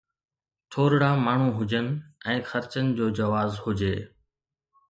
ٿورڙا ماڻهو هجن ۽ خرچن جو جواز هجي.